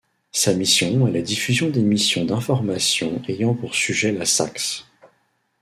Sa mission est la diffusion d'émissions d'informations ayant pour sujet la Saxe.